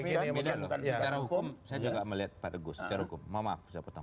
secara hukum saya juga melihat pak teguh secara hukum mohon maaf saya potong